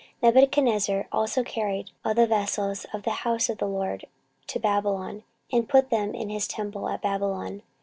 14:036:007 Nebuchadnezzar also carried of the vessels of the house of the LORD to Babylon, and put them in his temple at Babylon.